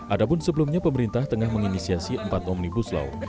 ada pun sebelumnya pemerintah tengah menginisiasi empat omnibus law